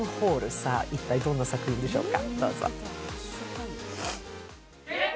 さあ一体どんな作品でしょうか。